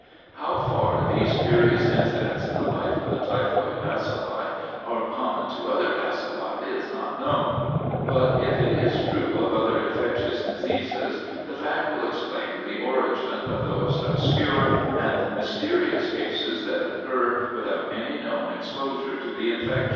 How far these curious incidents in the life of the typhoid bacilli are common to other bacilli is not known; but if it is true of other infectious diseases, the fact will explain the origin of those obscure and mysterious cases that occur without any known exposure to the infection.